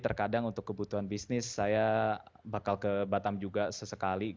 terkadang untuk kebutuhan bisnis saya bakal ke batam juga sesekali